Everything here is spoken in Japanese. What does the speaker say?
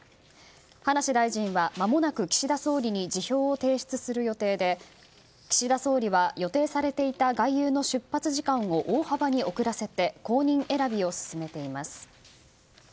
葉梨大臣は、まもなく岸田総理に辞表を提出する予定で岸田総理は予定されていた外遊の出発時間を大幅に遅らせて後任選びを進めています。